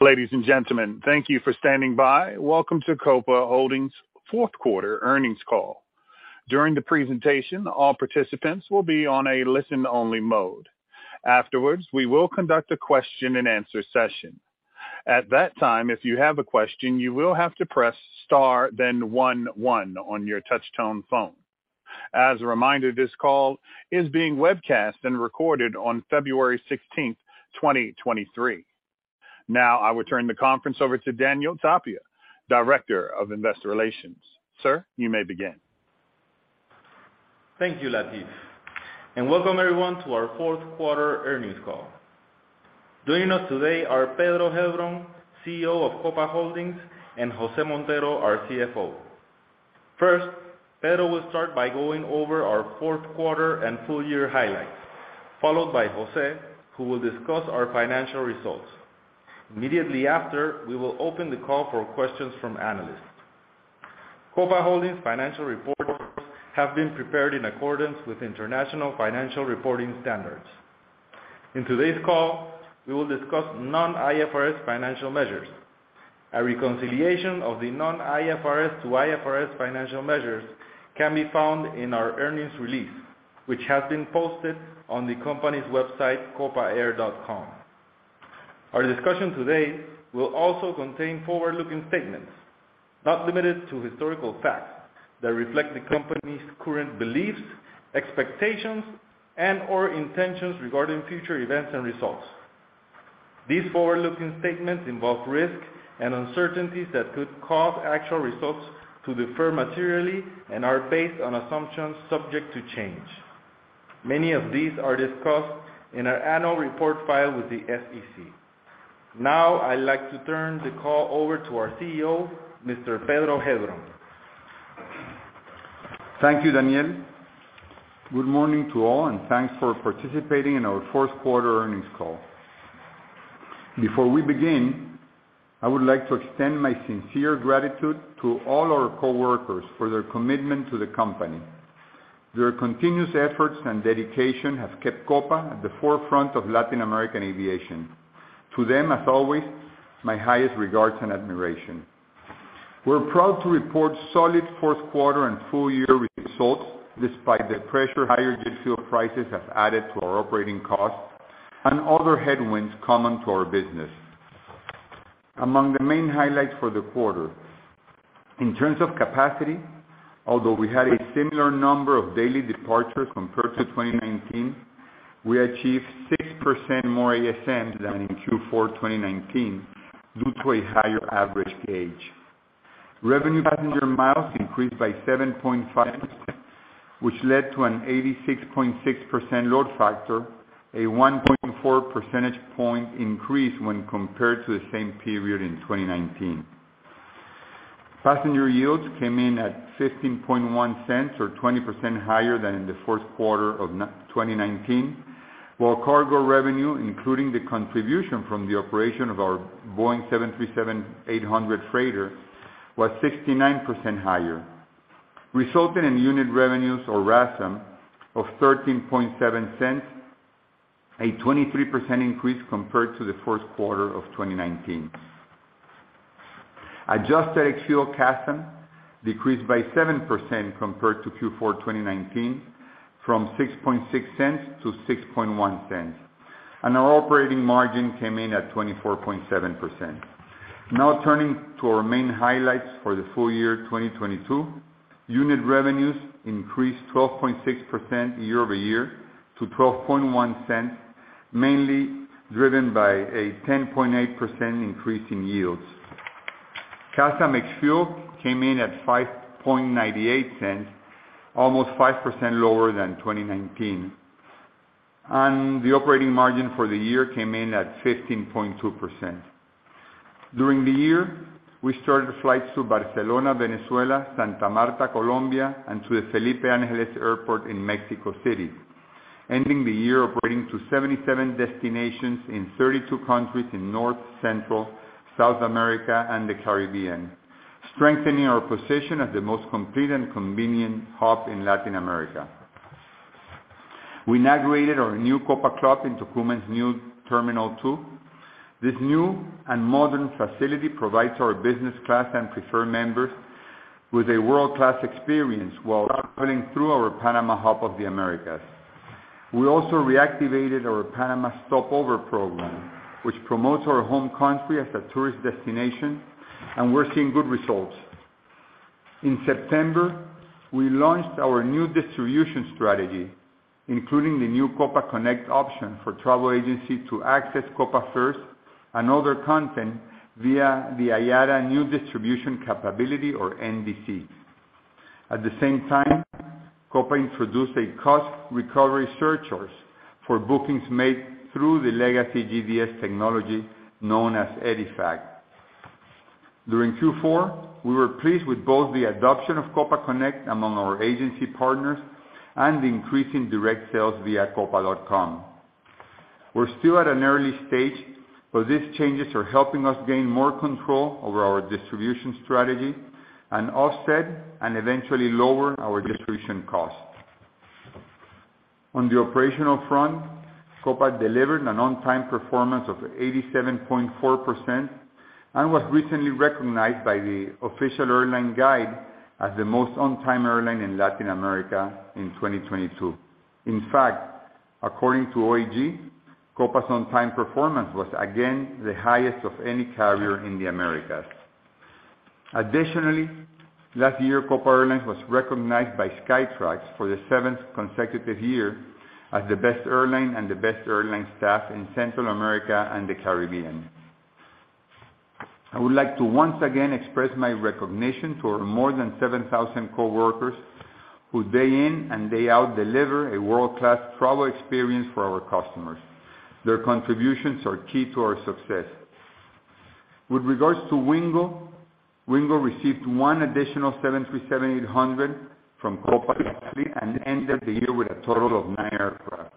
Ladies and gentlemen, thank you for standing by. Welcome to Copa Holdings' fourth quarter earnings call. During the presentation, all participants will be on a listen-only mode. Afterwards, we will conduct a question-and-answer session. At that time, if you have a question, you will have to press star then one one on your touchtone phone. As a reminder, this call is being webcast and recorded on February sixteenth, twenty-twenty-three. I will turn the conference over to Daniel Tapia, Director of Investor Relations. Sir, you may begin. Thank you, Latif, and welcome everyone to our fourth quarter earnings call. Joining us today are Pedro Heilbron, CEO of Copa Holdings, and Jose Montero, our CFO. First, Pedro will start by going over our fourth quarter and full year highlights, followed by Jose, who will discuss our financial results. Immediately after, we will open the call for questions from analysts. Copa Holdings financial reports have been prepared in accordance with International Financial Reporting Standards. In today's call, we will discuss non-IFRS financial measures. A reconciliation of the non-IFRS to IFRS financial measures can be found in our earnings release, which has been posted on the company's website, copaair.com. Our discussion today will also contain forward-looking statements, not limited to historical facts, that reflect the company's current beliefs, expectations, and/or intentions regarding future events and results. These forward-looking statements involve risks and uncertainties that could cause actual results to differ materially and are based on assumptions subject to change. Many of these are discussed in our annual report filed with the SEC. Now I'd like to turn the call over to our CEO, Mr. Pedro Heilbron. Thank you, Daniel. Good morning to all. Thanks for participating in our fourth quarter earnings call. Before we begin, I would like to extend my sincere gratitude to all our coworkers for their commitment to the company. Their continuous efforts and dedication have kept Copa at the forefront of Latin American aviation. To them, as always, my highest regards and admiration. We're proud to report solid fourth quarter and full year results despite the pressure higher jet fuel prices have added to our operating costs and other headwinds common to our business. Among the main highlights for the quarter, in terms of capacity, although we had a similar number of daily departures compared to 2019, we achieved 6% more ASMs than in Q4, 2019 due to a higher average gauge. Revenue passenger miles increased by 7.5%, which led to an 86.6% load factor, a 1.4 percentage point increase when compared to the same period in 2019. Passenger yields came in at $0.151, or 20% higher than in the fourth quarter of 2019. While cargo revenue, including the contribution from the operation of our Boeing 737-800 freighter, was 69% higher, resulting in unit revenues or RASM of $0.137, a 23% increase compared to the first quarter of 2019. Adjusted ex-fuel CASM decreased by 7% compared to Q4, 2019, from $0.066 to $0.061. Our operating margin came in at 24.7%. Now turning to our main highlights for the full year, 2022. Unit revenues increased 12.6% year-over-year to $0.121, mainly driven by a 10.8% increase in yields. CASM ex-fuel came in at $0.0598, almost 5% lower than 2019. The operating margin for the year came in at 15.2%. During the year, we started flights to Barcelona, Venezuela, Santa Marta, Colombia, and to the Felipe Angeles Airport in Mexico City, ending the year operating to 77 destinations in 32 countries in North, Central, South America, and the Caribbean, strengthening our position as the most complete and convenient hub in Latin America. We inaugurated our new Copa Club in Tocumen's new Terminal 2. This new and modern facility provides our business class and preferred members with a world-class experience while traveling through our Panama hub of the Americas. We also reactivated our Panama Stopover program, which promotes our home country as a tourist destination. We're seeing good results. In September, we launched our new distribution strategy, including the new Copa Connect option for travel agency to access Copa First and other content via the IATA New Distribution Capability, or NDC. At the same time, Copa introduced a cost recovery surcharge for bookings made through the legacy GDS technology, known as EDIFACT. During Q4, we were pleased with both the adoption of Copa Connect among our agency partners and the increase in direct sales via copa.com. We're still at an early stage. These changes are helping us gain more control over our distribution strategy and offset and eventually lower our distribution costs. On the operational front, Copa delivered an on-time performance of 87.4%, and was recently recognized by the Official Airline Guide as the most on-time airline in Latin America in 2022. In fact, according to OAG, Copa's on-time performance was again the highest of any carrier in the Americas. Additionally, last year, Copa Airlines was recognized by Skytrax for the seventh consecutive year as the best airline and the best airline staff in Central America and the Caribbean. I would like to once again express my recognition to our more than 7,000 coworkers, who day in and day out deliver a world-class travel experience for our customers. Their contributions are key to our success. With regards to Wingo received 1 additional 737-800 from Copa yesterday and ended the year with a total of 9 aircraft.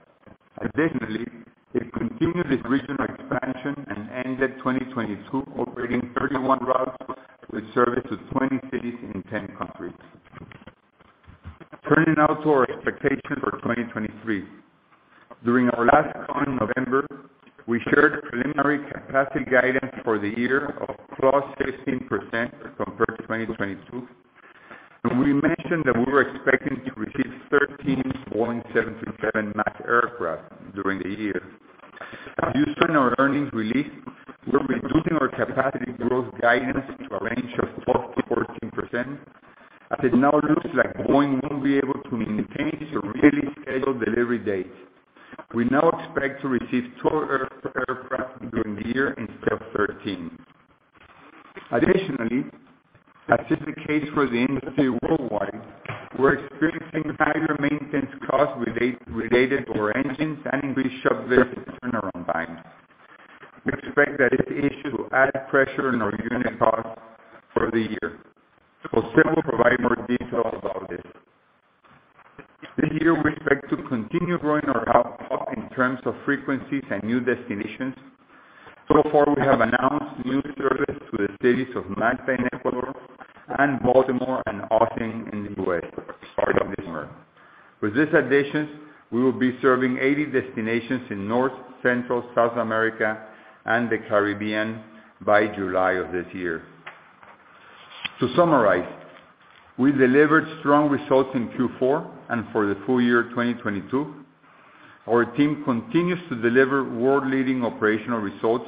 It continued its regional expansion and ended 2022 operating 31 routes with service to 20 cities in 10 countries. Turning now to our expectations for 2023. During our last call in November, we shared preliminary capacity guidance for the year of +16% compared to 2022. We mentioned that we were expecting to receive 13 Boeing 737 MAX aircraft during the year. As you saw in our earnings release, we're reducing our capacity growth guidance to a range of 12%-14%, as it now looks like Boeing won't be able to maintain its originally scheduled delivery dates. We now expect to receive 12 air-air aircraft during the year instead of 13. Additionally, as is the case for the industry worldwide, we're experiencing higher maintenance costs related to our engines and we shove their turnaround times. We expect that this issue to add pressure on our unit costs for the year. Jose will provide more details about this. This year we expect to continue growing our output in terms of frequencies and new destinations. So far, we have announced new service to the cities of Manta in Ecuador and Baltimore and Austin in the U.S. as part of this growth. With these additions, we will be serving 80 destinations in North, Central, South America, and the Caribbean by July of this year. To summarize, we delivered strong results in Q4 and for the full year 2022. Our team continues to deliver world-leading operational results,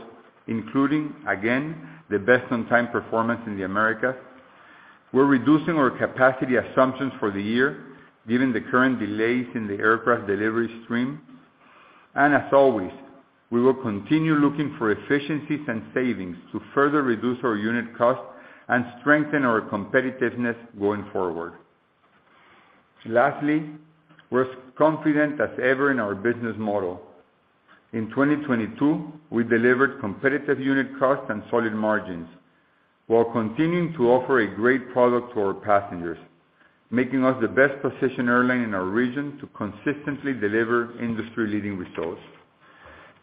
including, again, the best on-time performance in the Americas. We're reducing our capacity assumptions for the year given the current delays in the aircraft delivery stream. As always, we will continue looking for efficiencies and savings to further reduce our unit costs and strengthen our competitiveness going forward. Lastly, we're as confident as ever in our business model. In 2022, we delivered competitive unit costs and solid margins while continuing to offer a great product to our passengers, making us the best-positioned airline in our region to consistently deliver industry-leading results.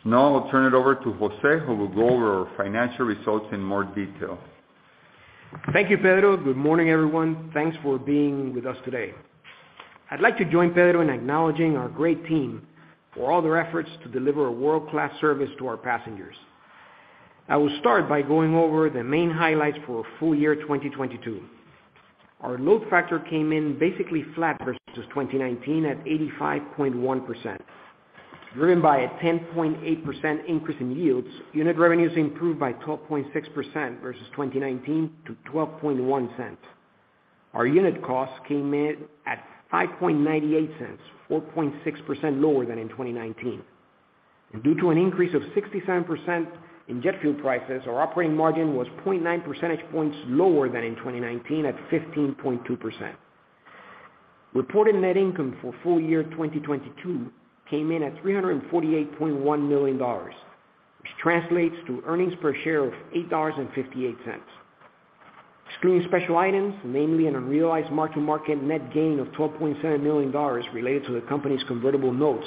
I'll turn it over to Jose, who will go over our financial results in more detail. Thank you, Pedro. Good morning, everyone. Thanks for being with us today. I'd like to join Pedro in acknowledging our great team for all their efforts to deliver a world-class service to our passengers. I will start by going over the main highlights for full year 2022. Our load factor came in basically flat versus 2019 at 85.1%. Driven by a 10.8% increase in yields, unit revenues improved by 12.6% versus 2019 to $0.121. Our unit costs came in at $0.0598, 4.6% lower than in 2019. Due to an increase of 67% in jet fuel prices, our operating margin was 0.9 percentage points lower than in 2019 at 15.2%. Reported net income for full year 2022 came in at $348.1 million, which translates to earnings per share of $8.58. Excluding special items, namely an unrealized mark-to-market net gain of $12.7 million related to the company's convertible notes,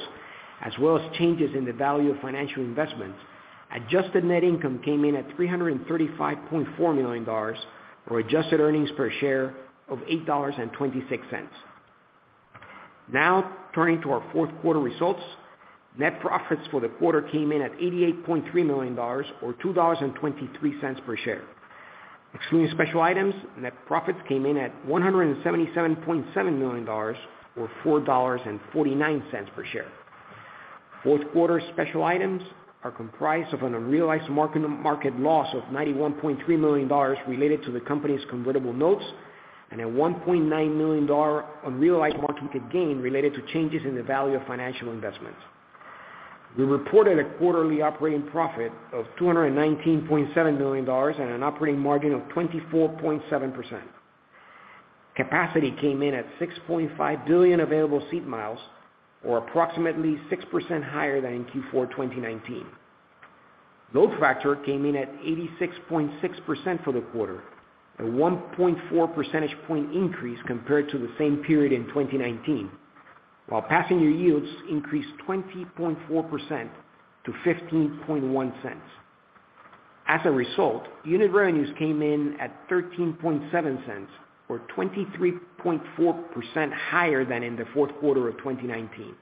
as well as changes in the value of financial investments, adjusted net income came in at $335.4 million, or adjusted earnings per share of $8.26. Turning to our fourth quarter results. Net profits for the quarter came in at $88.3 million or $2.23 per share. Excluding special items, net profits came in at $177.7 million or $4.49 per share. Fourth quarter special items are comprised of an unrealized mark-to-market loss of $91.3 million related to the company's convertible notes and a $1.9 million unrealized market gain related to changes in the value of financial investments. We reported a quarterly operating profit of $219.7 million and an operating margin of 24.7%. Capacity came in at 6.5 billion available seat miles, or approximately 6% higher than in Q4 2019. Load factor came in at 86.6% for the quarter, a 1.4 percentage point increase compared to the same period in 2019, while passenger yields increased 20.4% to $0.151. As a result, unit revenues came in at $0.137, or 23.4% higher than in the fourth quarter of 2019.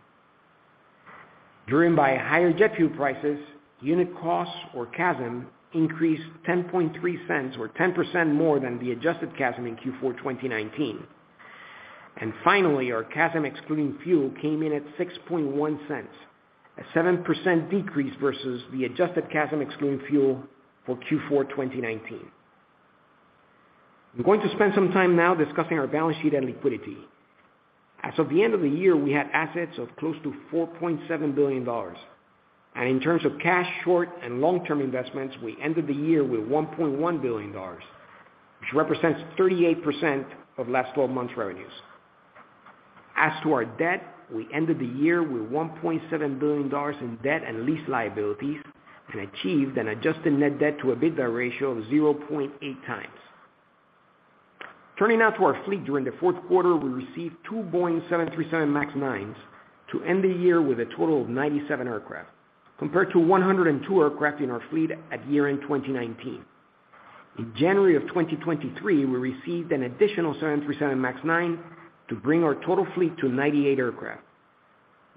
Driven by higher jet fuel prices, unit costs, or CASM, increased $0.103 or 10% more than the adjusted CASM in Q4 2019. Finally, our CASM ex-fuel came in at $0.061, a 7% decrease versus the adjusted CASM ex-fuel for Q4 2019. I'm going to spend some time now discussing our balance sheet and liquidity. As of the end of the year, we had assets of close to $4.7 billion. In terms of cash, short and long-term investments, we ended the year with $1.1 billion, which represents 38% of last 12 months revenues. As to our debt, we ended the year with $1.7 billion in debt and lease liabilities and achieved an adjusted net debt to EBITDA ratio of 0.8x. Turning now to our fleet. During the fourth quarter, we received two Boeing 737 MAX 9s to end the year with a total of 97 aircraft, compared to 102 aircraft in our fleet at year-end 2019. In January of 2023, we received an additional 737 MAX 9 to bring our total fleet to 98 aircraft.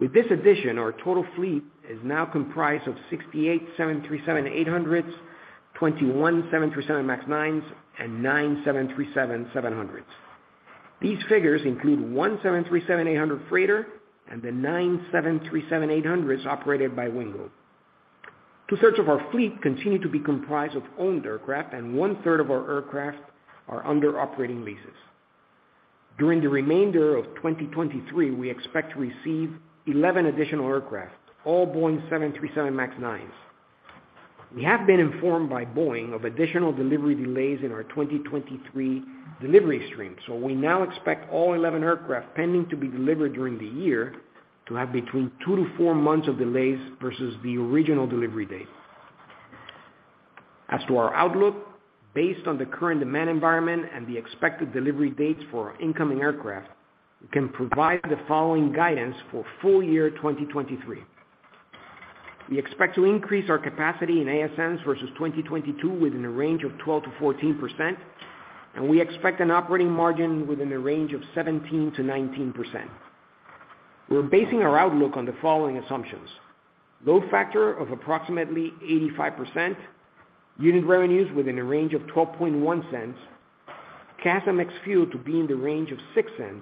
With this addition, our total fleet is now comprised of 68 737-800s, 21 737 MAX 9s, and 9 737-700s. These figures include 1 737-800 freighter and the 9 737-800s operated by Wingo. Two-thirds of our fleet continue to be comprised of owned aircraft, and 1/3 of our aircraft are under operating leases. During the remainder of 2023, we expect to receive 11 additional aircraft, all Boeing 737 MAX 9s. We have been informed by Boeing of additional delivery delays in our 2023 delivery stream. We now expect all 11 aircraft pending to be delivered during the year to have between 2-4 months of delays versus the original delivery date. As to our outlook, based on the current demand environment and the expected delivery dates for our incoming aircraft, we can provide the following guidance for full year 2023. We expect to increase our capacity in ASMs versus 2022 within a range of 12%-14%, and we expect an operating margin within a range of 17%-19%. We're basing our outlook on the following assumptions: load factor of approximately 85%, unit revenues within a range of $0.121, CASM ex-fuel to be in the range of $0.06,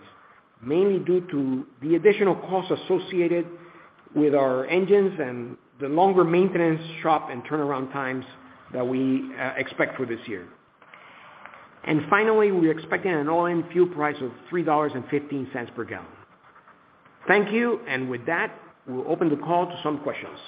mainly due to the additional costs associated with our engines and the longer maintenance shop and turnaround times that we expect for this year. Finally, we're expecting an all-in fuel price of $3.15 per gallon. Thank you. With that, we'll open the call to some questions.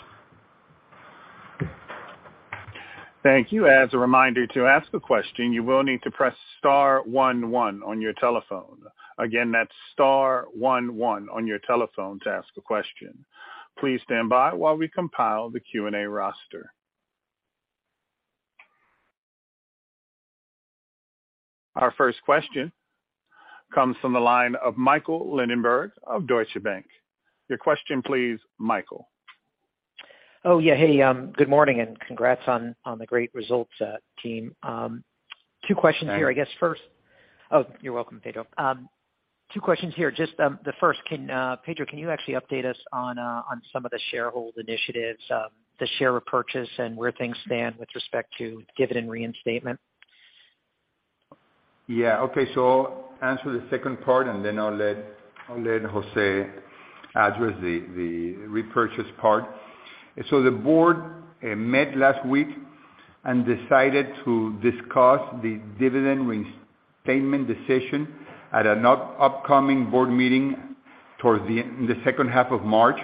Thank you. As a reminder, to ask a question, you will need to press star one one on your telephone. Again, that's star one one on your telephone to ask a question. Please stand by while we compile the Q&A roster. Our first question comes from the line of Michael Linenberg of Deutsche Bank. Your question please, Michael. Oh, yeah. Hey, good morning, and congrats on the great results, team. Two questions here. I guess first... Oh, you're welcome, Pedro. Two questions here. Just, the first, can Pedro, can you actually update us on some of the shareholder initiatives, the share repurchase and where things stand with respect to dividend reinstatement? Okay. I'll answer the second part, and then I'll let Jose address the repurchase part. The board met last week and decided to discuss the dividend reinstatement decision at an upcoming board meeting towards the second half of March.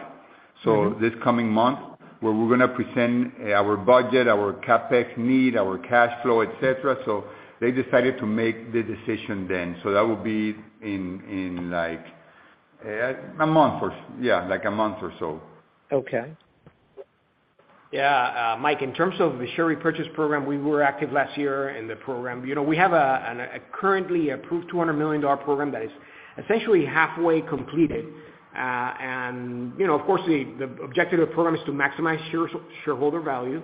Mm-hmm. This coming month, where we're gonna present our budget, our CapEx need, our cash flow, et cetera. They decided to make the decision then. That will be in, like, a month or yeah, like a month or so. Okay. Mike, in terms of the share repurchase program, we were active last year in the program. You know, we have a currently approved $200 million program that is essentially halfway completed. You know, of course the objective of the program is to maximize shareholder value,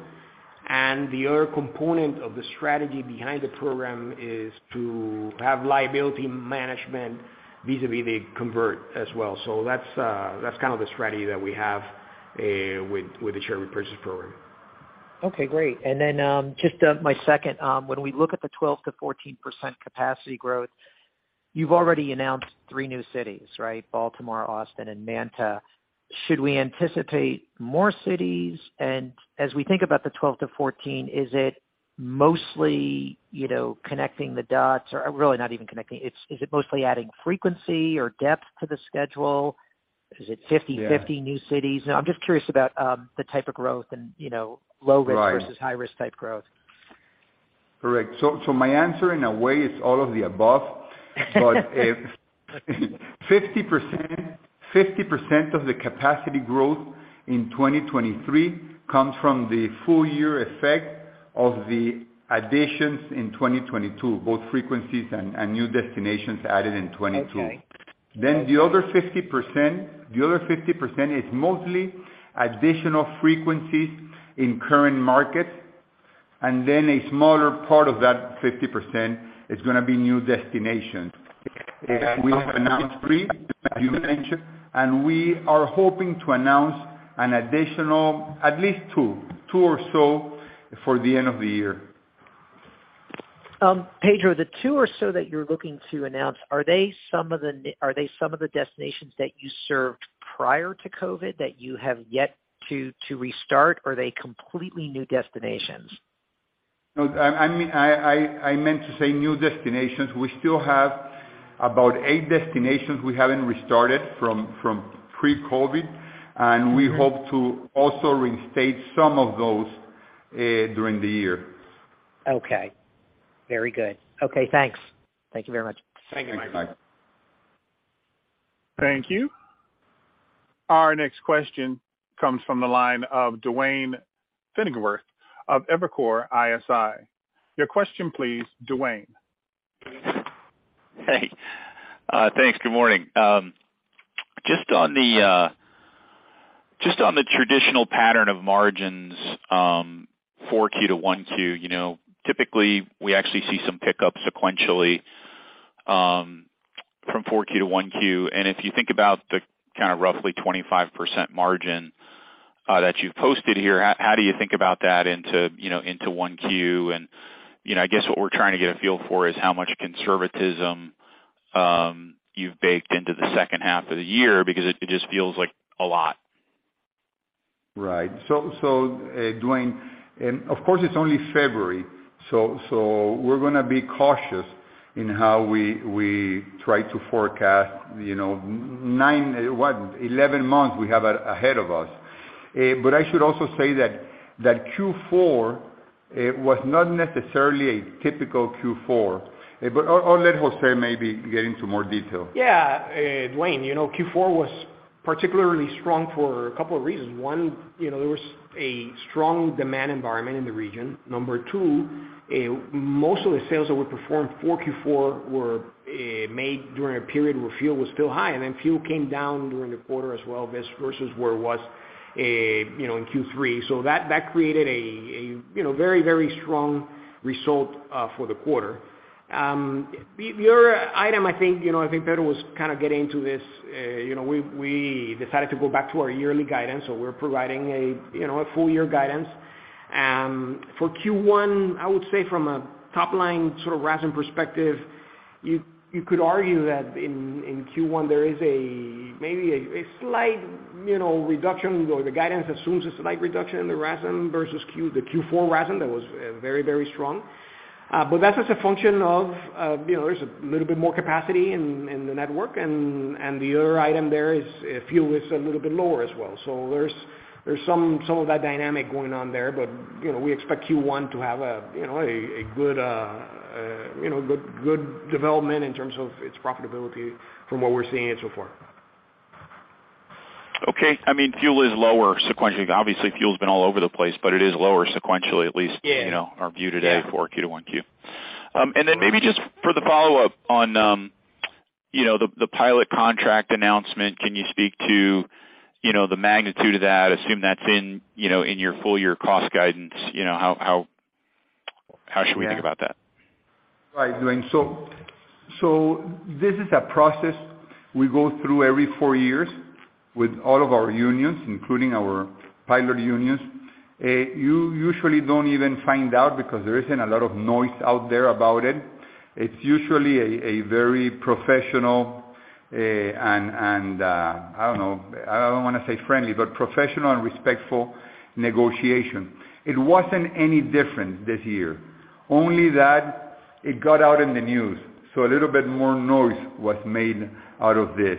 and the other component of the strategy behind the program is to have liability management vis-à-vis the convert as well. That's kind of the strategy that we have with the share repurchase program. Okay, great. Then, just my second. When we look at the 12%-14% capacity growth, you've already announced three new cities, right? Baltimore, Austin, and Manta. Should we anticipate more cities? As we think about the 12%-14%, is it mostly, you know, connecting the dots? Or really not even connecting, is it mostly adding frequency or depth to the schedule? Is it? Yeah... 50 new cities? I'm just curious about the type of growth and, you know, low risk- Right... versus high risk type growth. Correct. So my answer, in a way, is all of the above. 50% of the capacity growth in 2023 comes from the full year effect of the additions in 2022, both frequencies and new destinations added in 2022. The other 50% is mostly additional frequencies in current markets, and then a smaller part of that 50% is going to be new destinations. We have announced 3, as you mentioned, and we are hoping to announce an additional at least 2 or so for the end of the year. Pedro, the 2 or so that you're looking to announce, are they some of the destinations that you served prior to COVID that you have yet to restart? Or are they completely new destinations? I mean, I meant to say new destinations. We still have about eight destinations we haven't restarted from pre-COVID, and we hope to also reinstate some of those during the year. Okay. Very good. Okay, thanks. Thank you very much. Thank you. Bye. Thank you. Our next question comes from the line of Duane Pfennigwerth of Evercore ISI. Your question please, Duane. Hey. Thanks. Good morning. Just on the, just on the traditional pattern of margins, 4Q to 1Q, you know, typically we actually see some pickup sequentially, from 4Q to 1Q. If you think about the kind of roughly 25% margin that you've posted here, how do you think about that into, you know, into 1Q? You know, I guess what we're trying to get a feel for is how much conservatism you've baked into the second half of the year because it just feels like a lot. Right. Duane, of course it's only February, so we're gonna be cautious in how we try to forecast, you know, what, 11 months we have ahead of us. I should also say that Q4 was not necessarily a typical Q4. I'll let Jose maybe get into more detail. Yeah. Duane, you know, Q4 was particularly strong for a couple of reasons. One, you know, there was a strong demand environment in the region. Number two, most of the sales that were performed for Q4 were made during a period where fuel was still high, and then fuel came down during the quarter as well versus where it was, you know, in Q3. That created a, you know, very, very strong result for the quarter. The other item I think, you know, I think Pedro was kind of getting to this. You know, we decided to go back to our yearly guidance, we're providing a, you know, a full year guidance. For Q1, I would say from a top line sort of RASM perspective, you could argue that in Q1 there is a maybe a slight, you know, reduction or the guidance assumes a slight reduction in the RASM versus the Q4 RASM that was very strong. That's just a function of, you know, there's a little bit more capacity in the network and the other item there is fuel is a little bit lower as well. There's some of that dynamic going on there. You know, we expect Q1 to have a, you know, a good, you know, good development in terms of its profitability from what we're seeing it so far. Okay. I mean, fuel is lower sequentially. Obviously, fuel's been all over the place, but it is lower sequentially at least. Yeah. you know, our view today- Yeah. 4Q to 1Q. Then maybe just for the follow-up on the pilot contract announcement. Can you speak to the magnitude of that? Assume that's in your full year cost guidance. How should we think about that? Right, Duane. This is a process we go through every four years with all of our unions, including our pilot unions. You usually don't even find out because there isn't a lot of noise out there about it. It's usually a very professional, and, I don't know, I don't wanna say friendly, but professional and respectful negotiation. It wasn't any different this year, only that it got out in the news, a little bit more noise was made out of this.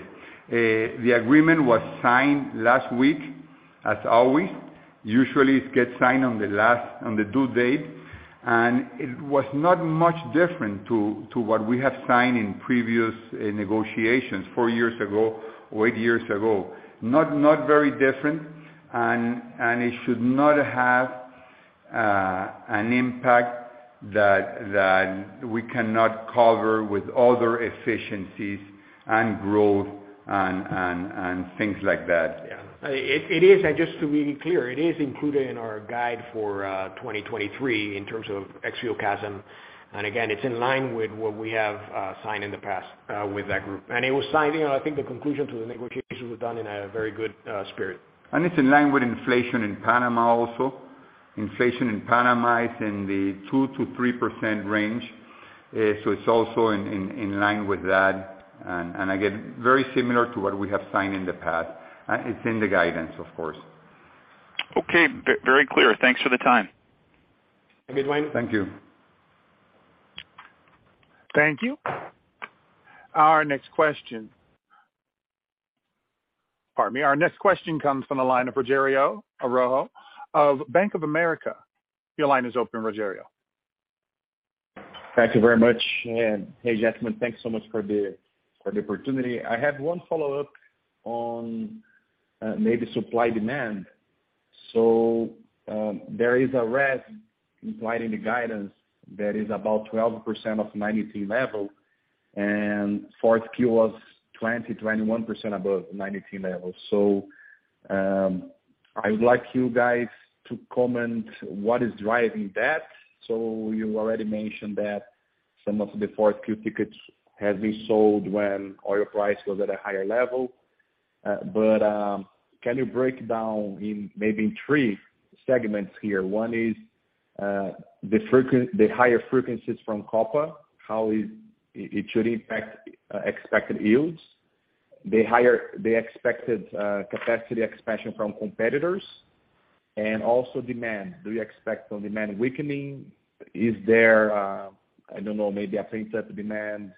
The agreement was signed last week as always. Usually it gets signed on the last, on the due date, and it was not much different to what we have signed in previous negotiations four years ago or eight years ago. Not very different and it should not have an impact that we cannot cover with other efficiencies and growth and things like that. Yeah. It is, and just to be clear, it is included in our guide for 2023 in terms of ex-fuel CASM. Again, it's in line with what we have signed in the past with that group. It was signed, you know, I think the conclusion to the negotiations were done in a very good spirit. It's in line with inflation in Panama also. Inflation in Panama is in the 2%-3% range. It's also in line with that and again, very similar to what we have signed in the past. It's in the guidance of course. Okay. Very clear. Thanks for the time. Thank you, Duane. Thank you. Thank you. Pardon me. Our next question comes from the line of Rogerio Araujo of Bank of America. Your line is open, Rogerio. Thank you very much. Hey, gentlemen, thanks so much for the opportunity. I have one follow-up on, maybe supply demand. There is a rest implied in the guidance that is about 12% of 90 team level, and 4Q was 20%, 21% above 90 team level. I would like you guys to comment what is driving that. You already mentioned that some of the 4Q tickets have been sold when oil price was at a higher level. Can you break down in maybe 3 segments here? One is the higher frequencies from Copa, how it should impact expected yields, the higher the expected capacity expansion from competitors, and also demand. Do you expect some demand weakening? Is there, I don't know, maybe a faint demand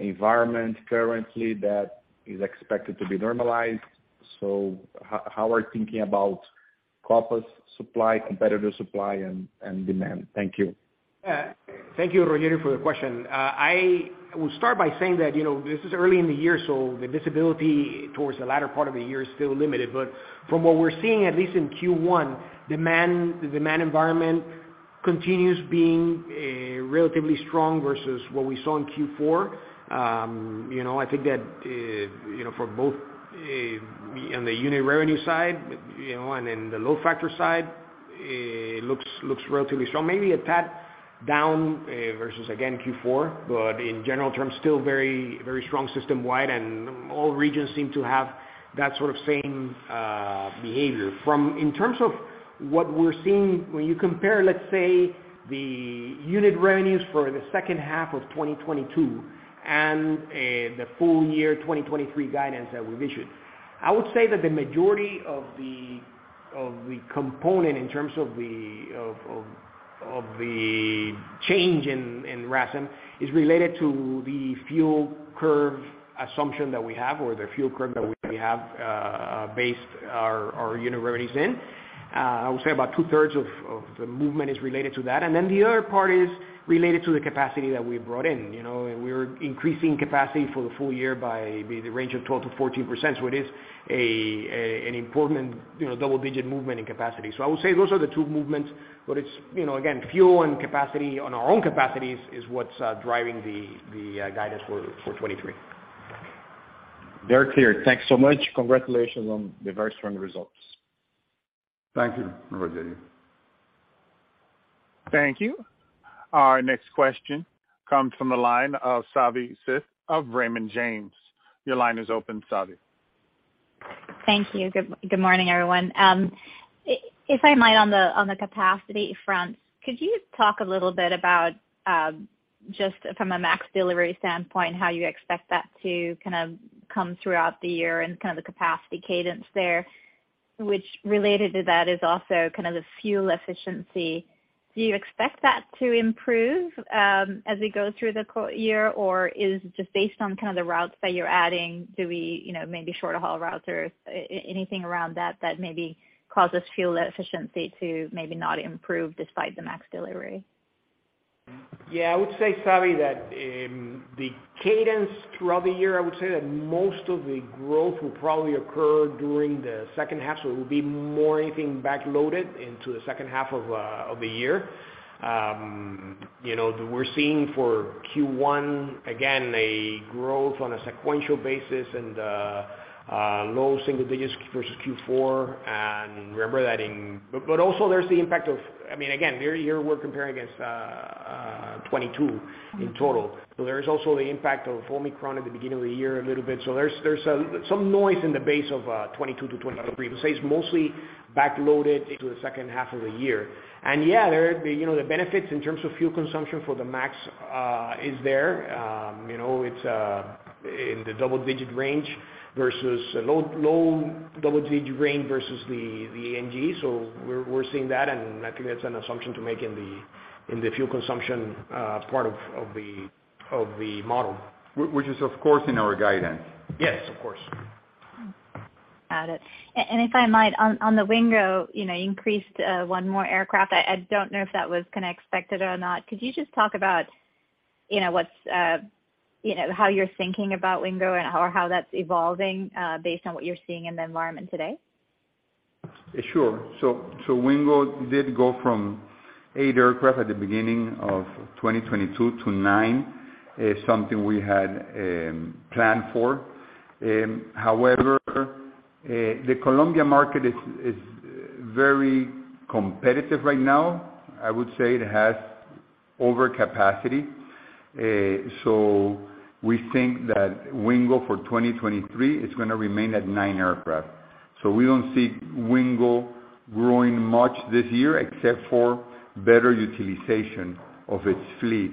environment currently that is expected to be normalized? How are you thinking about Copa's supply, competitor supply, and demand? Thank you. Thank you, Rogelio, for the question. I will start by saying that, you know, this is early in the year, so the visibility towards the latter part of the year is still limited. From what we're seeing, at least in Q1, demand, the demand environment continues being relatively strong versus what we saw in Q4. You know, I think that, you know, for both, in the unit revenue side, you know, and in the load factor side, looks relatively strong. Maybe a tad down versus again Q4, but in general terms, still very, very strong system-wide, and all regions seem to have that sort of same behavior. In terms of what we're seeing when you compare, let's say, the unit revenues for the second half of 2022 and the full year 2023 guidance that we've issued, I would say that the majority of the component in terms of the change in RASM is related to the fuel curve assumption that we have or the fuel curve that we have, based our unit revenues in. I would say about 2/3 of the movement is related to that. The other part is related to the capacity that we brought in. You know, we're increasing capacity for the full year by the range of 12%-14%, so it is an important, you know, double-digit movement in capacity. I would say those are the two movements, but it's, you know, again, fuel and capacity on our own capacities is what's driving the guidance for 2023. Very clear. Thanks so much. Congratulations on the very strong results. Thank you, Rogerio. Thank you. Our next question comes from the line of Savanthi Syth of Raymond James. Your line is open, Savi. Thank you. Good morning, everyone. If I might, on the capacity front, could you talk a little bit about just from a MAX delivery standpoint, how you expect that to kind of come throughout the year and kind of the capacity cadence there, which related to that is also kind of the fuel efficiency? Do you expect that to improve as we go through the year, or is it just based on kind of the routes that you're adding? Do we, you know, maybe shorter haul routes or anything around that that maybe causes fuel efficiency to maybe not improve despite the MAX delivery? Yeah. I would say, Savi, that the cadence throughout the year, I would say that most of the growth will probably occur during the second half, so it will be more anything backloaded into the second half of the year. you know, we're seeing for Q1, again, a growth on a sequential basis and low single digits versus Q4. Remember that. But also there's the impact of, I mean, again, here we're comparing against 2022 in total. There is also the impact of Omicron at the beginning of the year a little bit. There's some noise in the base of 2022 to 2023. I would say it's mostly backloaded into the second half of the year. There, you know, the benefits in terms of fuel consumption for the MAX is there. You know, it's in the double digit range versus low double digit range versus the NG. We're seeing that, and I think that's an assumption to make in the fuel consumption part of the model. Which is of course in our guidance. Yes, of course. Got it. And if I might, on the Wingo, you know, increased, one more aircraft, I don't know if that was kinda expected or not. Could you just talk about, you know, what's, you know, how you're thinking about Wingo or how that's evolving, based on what you're seeing in the environment today? Sure. Wingo did go from 8 aircraft at the beginning of 2022 to 9, something we had planned for. However, the Colombian market is very competitive right now. I would say it has overcapacity. We think that Wingo for 2023 is gonna remain at 9 aircraft. We don't see Wingo growing much this year except for better utilization of its fleet.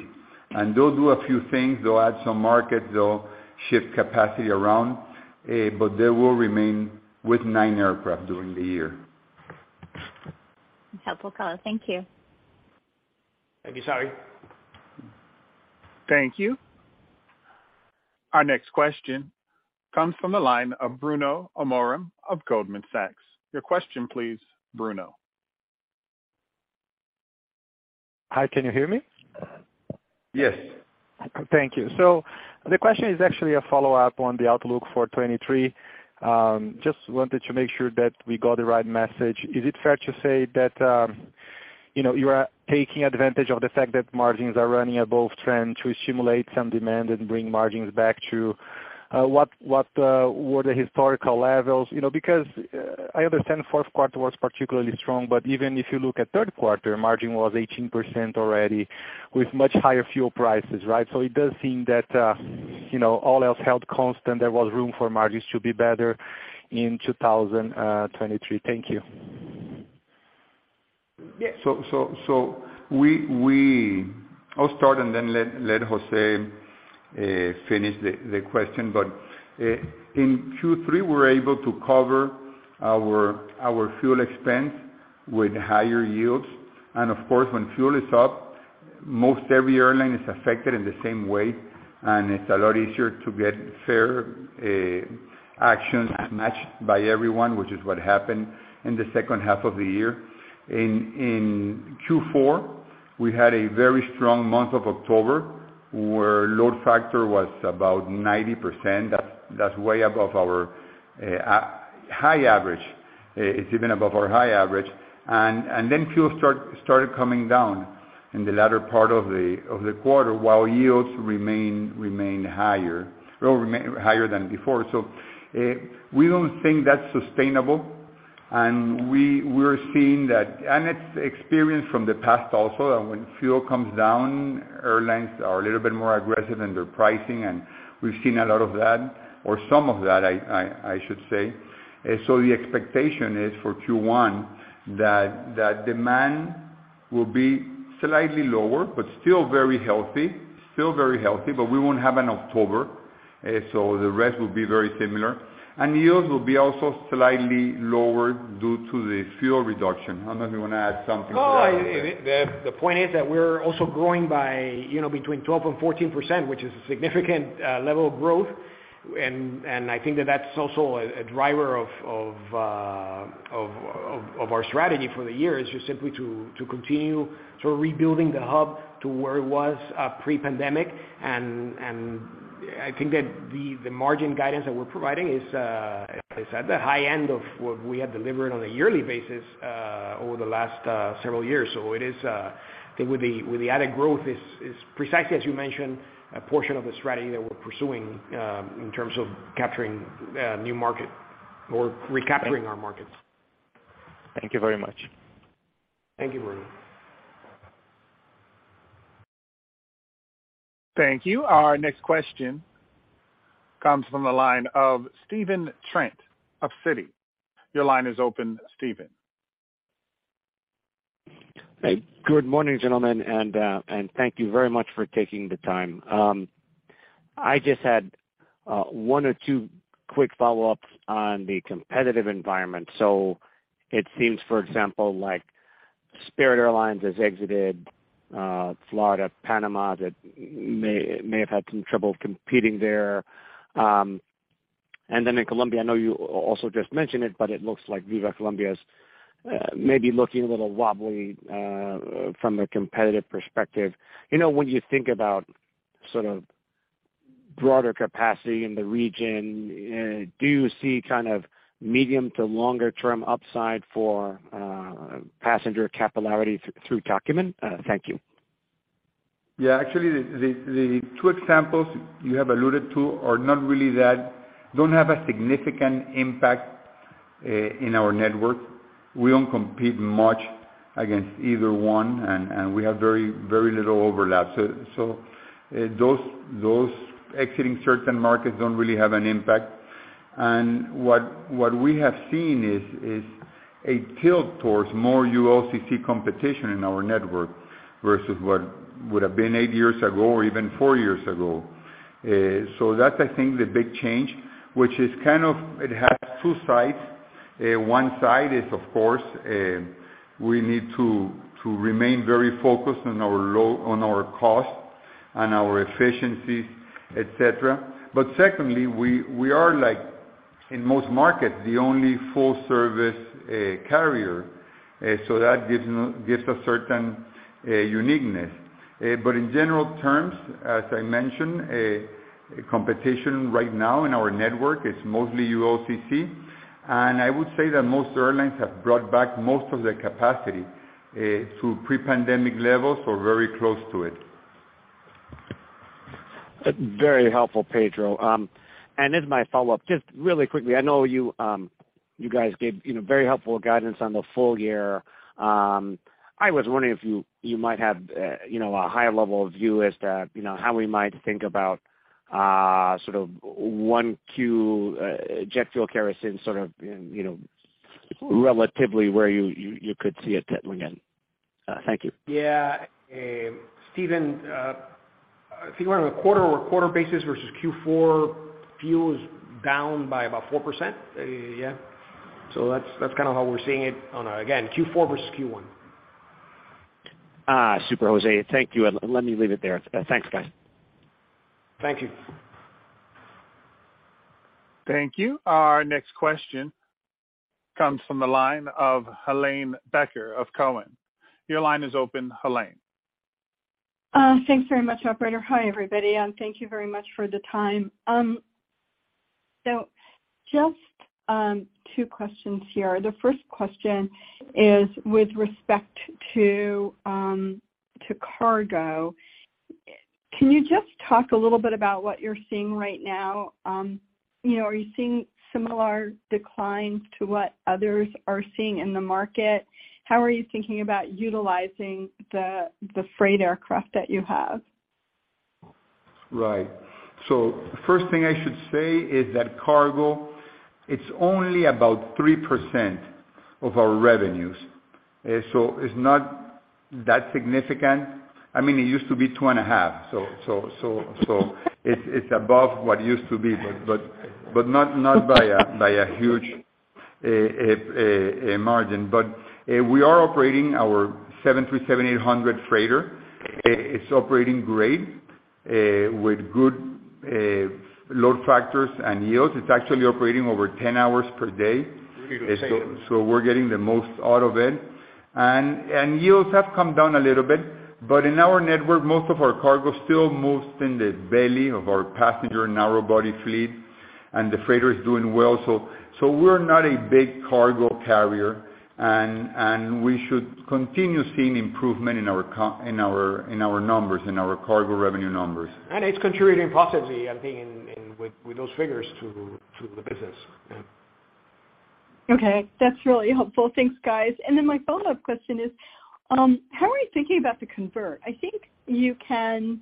They'll do a few things. They'll add some markets. They'll shift capacity around, they will remain with 9 aircraft during the year. Helpful color. Thank you. Thank you, Savi. Thank you. Our next question comes from the line of Bruno Amorim of Goldman Sachs. Your question please, Bruno. Hi, can you hear me? Yes. Thank you. The question is actually a follow-up on the outlook for 2023. just wanted to make sure that we got the right message. Is it fair to say that, you know, you are taking advantage of the fact that margins are running above trend to stimulate some demand and bring margins back to what were the historical levels? You know, because I understand fourth quarter was particularly strong, but even if you look at third quarter, margin was 18% already with much higher fuel prices, right? It does seem that, you know, all else held constant, there was room for margins to be better in 2023. Thank you. I'll start and then let Jose finish the question. In Q3, we're able to cover our fuel expense with higher yields. Of course, when fuel is up, most every airline is affected in the same way, and it's a lot easier to get fair action matched by everyone, which is what happened in the second half of the year. In Q4, we had a very strong month of October, where load factor was about 90%. That's way above our high average. It's even above our high average. Then fuel started coming down in the latter part of the quarter, while yields remain higher or higher than before. We don't think that's sustainable, and we're seeing that. It's experience from the past also, that when fuel comes down, airlines are a little bit more aggressive in their pricing, and we've seen a lot of that, or some of that, I should say. The expectation is for Q1, that demand will be slightly lower, but still very healthy. We won't have an October, the rest will be very similar. Yields will be also slightly lower due to the fuel reduction. I don't know if you wanna add something to that, Jose. No. I mean, the point is that we're also growing by, you know, between 12% and 14%, which is a significant level of growth. I think that that's also a driver of our strategy for the year, is just simply to continue sort of rebuilding the hub to where it was pre-pandemic. I think that the margin guidance that we're providing is at the high end of what we have delivered on a yearly basis over the last several years. It is. I think with the added growth is precisely, as you mentioned, a portion of the strategy that we're pursuing in terms of capturing new market or recapturing our markets. Thank you very much. Thank you, Bruno. Thank you. Our next question comes from the line of Stephen Trent of Citi. Your line is open, Steven. Hey. Good morning, gentlemen, and thank you very much for taking the time. I just had one or two quick follow-ups on the competitive environment. It seems, for example, like Spirit Airlines has exited Florida, Panama, that may have had some trouble competing there. In Colombia, I know you also just mentioned it, but it looks like Viva Air Colombia is maybe looking a little wobbly from a competitive perspective. You know, when you think about sort of broader capacity in the region, do you see kind of medium to longer term upside for passenger capillarity through Tocumen? Thank you. Yeah. Actually, the two examples you have alluded to are not really don't have a significant impact in our network. We don't compete much against either one, and we have very little overlap. Those exiting certain markets don't really have an impact. What we have seen is a tilt towards more ULCC competition in our network, versus what would have been 8 years ago or even 4 years ago. That's, I think, the big change, which is kind of it has two sides. One side is, of course, we need to remain very focused on our costs and our efficiencies, et cetera. Secondly, we are like, in most markets, the only full service carrier. That gives a certain uniqueness. In general terms, as I mentioned, competition right now in our network is mostly ULCC. I would say that most airlines have brought back most of their capacity, to pre-pandemic levels or very close to it. Very helpful, Pedro. As my follow-up, just really quickly, I know you guys gave, you know, very helpful guidance on the full year. I was wondering if you might have, you know, a high level view as to, you know, how we might think about, sort of 1Q, jet fuel kerosene, sort of, you know, relatively where you could see it settling in. Thank you. Yeah. Stephen, if you are on a quarter-over-quarter basis versus Q4, fuel is down by about 4%. Yeah. That's kinda how we're seeing it on a, again, Q4 versus Q1. Super, Jose. Thank you, and let me leave it there. Thanks, guys. Thank you. Thank you. Our next question comes from the line of Helane Becker of Cowen. Your line is open, Helane. Thanks very much, operator. Hi everybody. Thank you very much for the time. Just two questions here. The first question is with respect to cargo. Can you just talk a little bit about what you're seeing right now? You know, are you seeing similar declines to what others are seeing in the market? How are you thinking about utilizing the freight aircraft that you have? Right. First thing I should say is that cargo, it's only about 3% of our revenues. It's not that significant. I mean, it used to be 2.5%, so it's above what it used to be, but not by a huge margin. We are operating our 737-800 freighter. It's operating great, with good load factors and yields. It's actually operating over 10 hours per day, so we're getting the most out of it. Yields have come down a little bit, but in our network, most of our cargo still moves in the belly of our passenger narrow-body fleet, and the freighter is doing well. We're not a big cargo carrier and we should continue seeing improvement in our numbers, in our cargo revenue numbers. It's contributing positively, I think, in with those figures to the business. Yeah. Okay. That's really helpful. Thanks, guys. My follow-up question is, how are you thinking about the convert? I think you can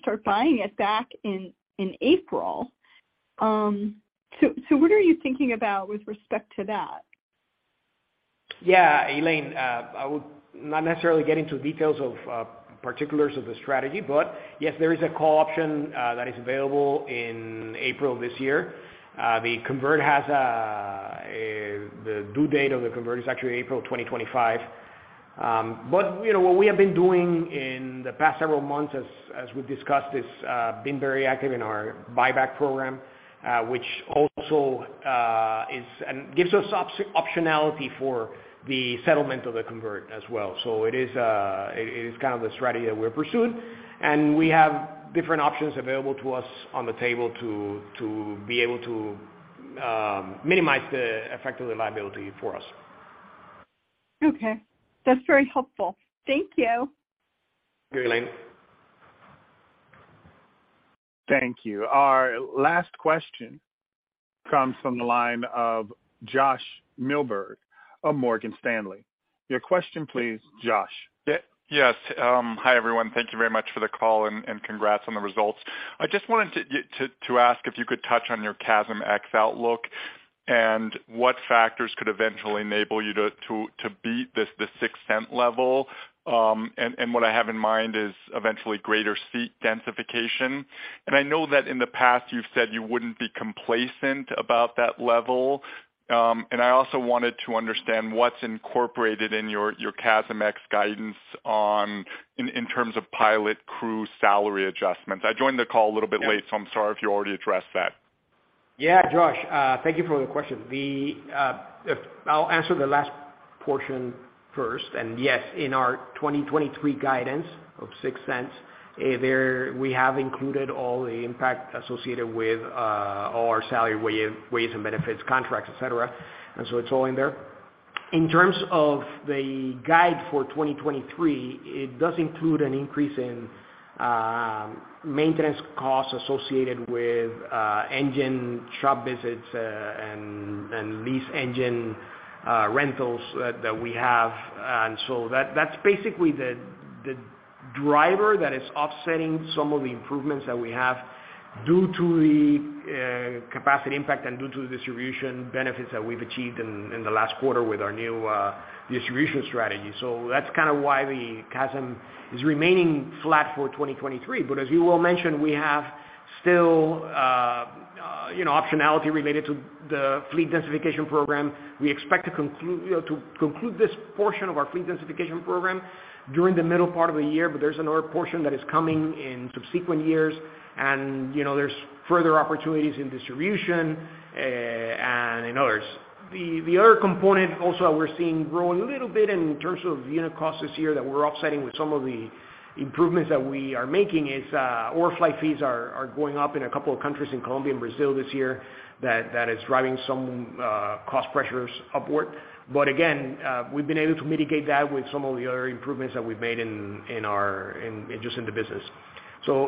start buying it back in April. What are you thinking about with respect to that? Yeah, Helane. I would not necessarily get into details of particulars of the strategy, but yes, there is a call option that is available in April this year. The convert has the due date of the convert is actually April 2025. But, you know, what we have been doing in the past several months as we've discussed is been very active in our buyback program, which also is and gives us optionality for the settlement of the convert as well. So it is kind of the strategy that we're pursuing, and we have different options available to us on the table to be able to minimize the effect of the liability for us. Okay. That's very helpful. Thank you. Thank you, Helane. Thank you. Our last question comes from the line of Josh Milberg of Morgan Stanley. Your question please, Josh. Yes. Hi, everyone. Thank you very much for the call and congrats on the results. I just wanted to ask if you could touch on your CASM ex-fuel outlook and what factors could eventually enable you to beat this, the 6 cent level. What I have in mind is eventually greater seat densification. I know that in the past you've said you wouldn't be complacent about that level. I also wanted to understand what's incorporated in your CASM ex-fuel guidance in terms of pilot crew salary adjustments. I joined the call a little bit late, so I'm sorry if you already addressed that. Josh, thank you for the question. I'll answer the last portion first. Yes, in our 2023 guidance of $0.06, there we have included all the impact associated with all our salary, wages and benefits, contracts, et cetera. It's all in there. In terms of the guide for 2023, it does include an increase in maintenance costs associated with engine shop visits and lease engine rentals that we have. That's basically the driver that is offsetting some of the improvements that we have due to the capacity impact and due to the distribution benefits that we've achieved in the last quarter with our new distribution strategy. That's kinda why the CASM is remaining flat for 2023. As you well mentioned, we have still, you know, optionality related to the fleet densification program. We expect to conclude this portion of our fleet densification program during the middle part of the year, but there's another portion that is coming in subsequent years. You know, there's further opportunities in distribution, and in others. The other component also that we're seeing growing a little bit in terms of unit cost this year that we're offsetting with some of the improvements that we are making is overflight fees are going up in a couple of countries in Colombia and Brazil this year, that is driving some cost pressures upward. Again, we've been able to mitigate that with some of the other improvements that we've made in our, in just in the business.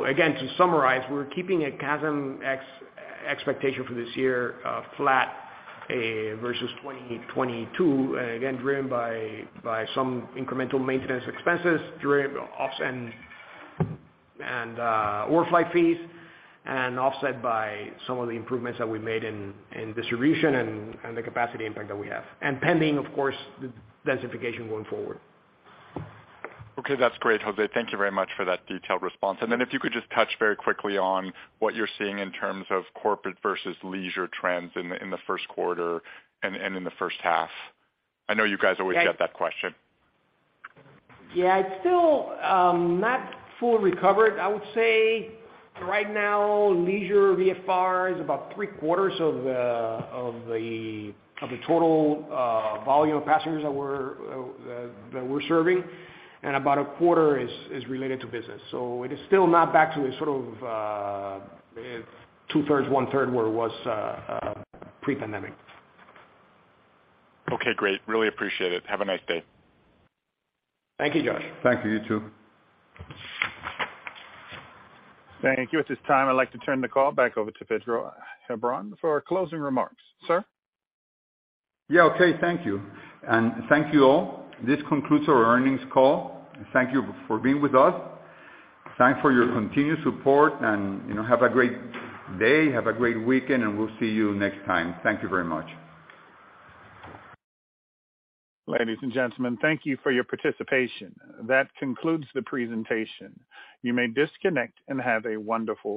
Again, to summarize, we're keeping a CASM ex-fuel expectation for this year, flat versus 2022. Driven by some incremental maintenance expenses driven off and overflight fees, and offset by some of the improvements that we made in distribution and the capacity impact that we have. Pending, of course, the densification going forward. Okay. That's great, Jose. Thank you very much for that detailed response. If you could just touch very quickly on what you're seeing in terms of corporate versus leisure trends in the first quarter and in the first half. I know you guys always get that question. It's still not fully recovered. I would say right now, leisure VFR is about three quarters of the total volume of passengers that we're serving, and about a quarter is related to business. It is still not back to the sort of 2/3, 1/3 where it was pre-pandemic. Okay, great. Really appreciate it. Have a nice day. Thank you, Josh. Thank you. You too. Thank you. At this time, I'd like to turn the call back over to Pedro Heilbron for closing remarks. Sir? Yeah. Okay. Thank you. Thank you all. This concludes our earnings call. Thank you for being with us. Thanks for your continued support and, you know, have a great day. Have a great weekend, and we'll see you next time. Thank you very much. Ladies and gentlemen, thank you for your participation. That concludes the presentation. You may disconnect and have a wonderful day.